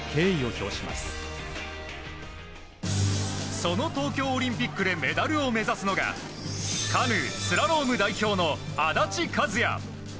その東京オリンピックでメダルを目指すのがカヌー・スラローム代表の足立和也。